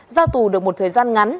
ra tù được một thời gian ngắn